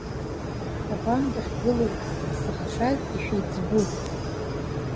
Абан дахьгылоу исыхшаз ишәеиҵбу.